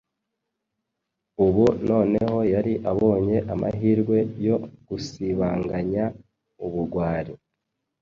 Ubu noneho yari abonye amahirwe yo gusibanganya ubugwari